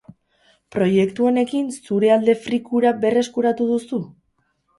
Proiektu honekin zure alde freak hura berreskuratu duzu?